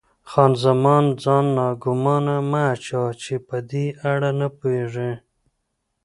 خان زمان: ځان ناګومانه مه اچوه، چې په دې اړه نه پوهېږې.